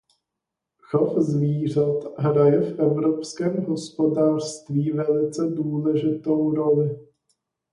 Chov zvířat hraje v evropském hospodářství velice důležitou roli.